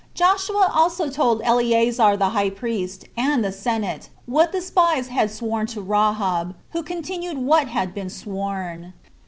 Joshua also told Eleazar the high priest, and the senate, what the spies had sworn to Rahab, who continued what had been sworn.